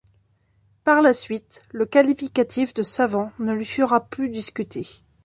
Par la suite, le qualificatif de savant ne lui sera plus discuté.